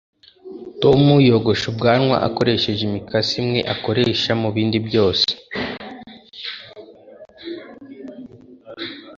tom yogosha ubwanwa akoresheje imikasi imwe akoresha mubindi byose